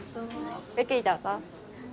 ごゆっくりどうぞ。